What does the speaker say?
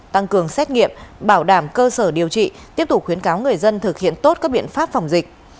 tăng cường xét nghiệm bảo đảm cơ sở điều trị tiếp tục khuyến cáo người dân thực hiện tốt các biện pháp phòng dịch